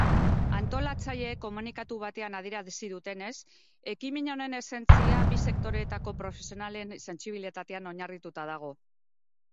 Antolatzaileek komunikatu bateanadierazi dutenez, ekimen honen esentzia bi sektoreetako profesionalensentsibilitatean oinarrituta dago.